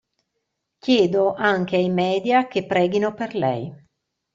Chiedo anche ai media che preghino per lei.